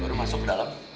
baru masuk ke dalam